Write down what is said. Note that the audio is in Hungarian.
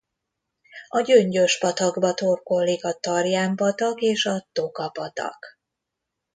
A Gyöngyös-patakba torkollik a Tarján-patak és a Toka-patak.